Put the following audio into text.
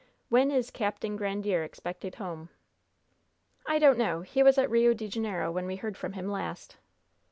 When is Capting Grandiere expected home?" "I don't know. He was at Rio de Janeiro when we heard from him last."